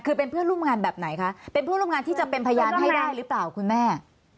คือเป็นเพื่อนร่วมงานแบบไหนคะเป็นเพื่อนร่วมงานที่จะเป็นพยานให้ได้หรือเปล่าคุณแม่